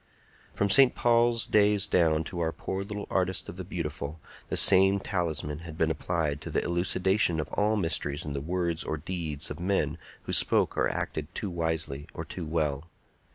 From St. Paul's days down to our poor little Artist of the Beautiful, the same talisman had been applied to the elucidation of all mysteries in the words or deeds of men who spoke or acted too wisely or too well.